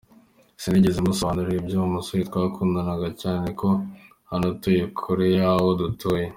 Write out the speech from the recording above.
Sinigeze musobanurira iby’uwo musore twakundanaga cyane ko anatuye kure y’aho dutuye.